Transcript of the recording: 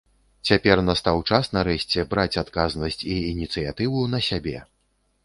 Цяпер настаў час, нарэшце, браць адказнасць і ініцыятыву на сябе.